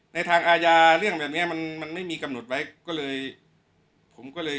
ทางอาญาเรื่องแบบเนี้ยมันมันไม่มีกำหนดไว้ก็เลยผมก็เลย